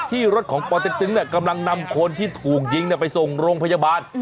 รถของปเต็กตึ๊งกำลังนำคนที่ถูกยิงไปส่งโรงพยาบาล